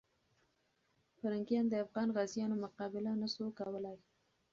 پرنګیانو د افغان غازیانو مقابله نسو کولای.